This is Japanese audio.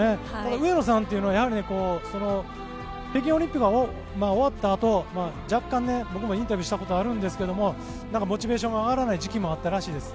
上野さんって北京オリンピック終わったあと僕もインタビューをしたことあるんですけどモチベーションが上がらない時期もあったらしいです。